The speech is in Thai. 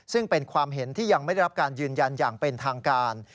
ซึ่งเป็นความเห็นที่ยังไม่ได้รับการยืนยันอย่างเป็นทางการ